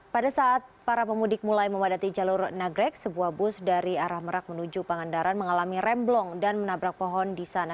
pada saat para pemudik mulai memadati jalur nagrek sebuah bus dari arah merak menuju pangandaran mengalami remblong dan menabrak pohon di sana